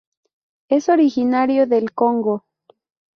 Es originario del Congo.